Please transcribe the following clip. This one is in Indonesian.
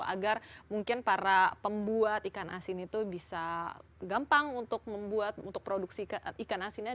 agar mungkin para pembuat ikan asin itu bisa gampang untuk membuat untuk produksi ikan asinnya